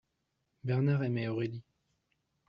Bernard aimait Aurélie.